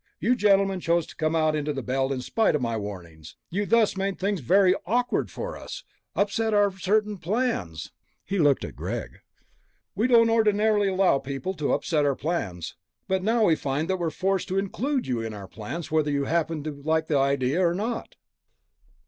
You gentlemen chose to come out to the Belt in spite of my warnings. You thus made things very awkward for us, upset certain of our plans." He looked at Greg. "We don't ordinarily allow people to upset our plans, but now we find that we're forced to include you in our plans, whether you happen to like the idea or not."